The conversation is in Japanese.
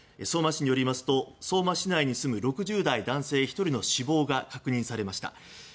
相馬市によりますと相馬市内に住む６０代男性１人の死亡が確認されました。